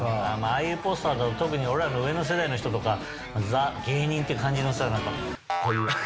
ああいうポスターとか特に俺らの上の世代の人とかザ・芸人って感じのさこういう。